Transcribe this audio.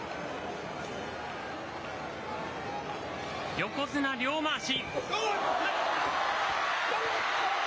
横綱、両まわし。